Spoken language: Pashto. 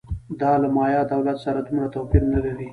دا له مایا دولت سره دومره توپیر نه لري